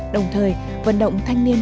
đồng thời vận động thanh niên